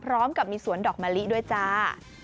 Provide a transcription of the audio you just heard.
พร้อมกับมีสวนดอกมะลิด้วยจ้า